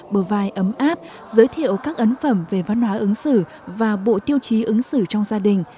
bờ vai ấm áp giới thiệu các ấn phẩm về văn hóa ứng xử và bộ tiêu chí ứng xử trong gia đình